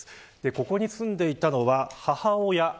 ここに住んでいたのは母親